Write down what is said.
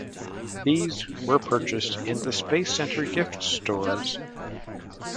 These were purchased in the Space Center gift stores.